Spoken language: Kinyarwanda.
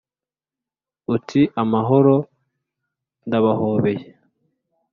uti amahoro ndabahobeye